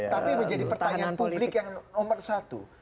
tapi menjadi pertanyaan publik yang nomor satu